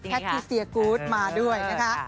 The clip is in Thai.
ทิเซียกูธมาด้วยนะคะ